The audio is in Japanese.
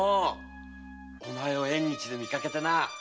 おまえを縁日で見かけてな。